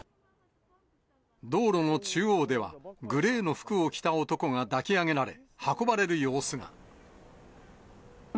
道路の中央では、グレーの服を着た男が抱き上げられ、運ばれる様子が。